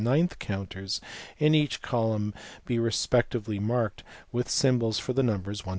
ninth counters in each column be respectively marked with symbols for the numbers 1, 2